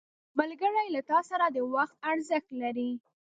ملګری له تا سره د وخت ارزښت لري